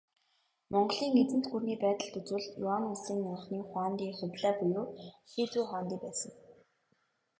Монголын эзэнт гүрний байдалд үзвэл, Юань улсын анхны хуанди Хубилай буюу Шизү хуанди байсан.